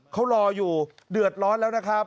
เขารออยู่เดือดร้อนแล้วนะครับ